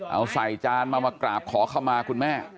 เอาใส่จานมามากราบขอเข้ามาคุณแม่